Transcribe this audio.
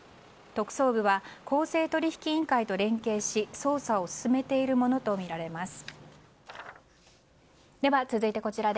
特捜部は公正取引委員会と連携し捜査を進めているものとみられます。